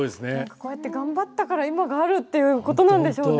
こうやって頑張ったから今があるっていうことなんでしょうね。